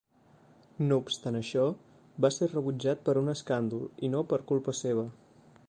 No obstant això, va ser rebutjat per un escàndol i no per culpa seva.